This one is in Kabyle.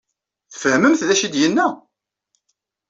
Tfehmemt d acu ay d-yenna?